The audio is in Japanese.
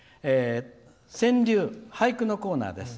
川柳、俳句のコーナーです。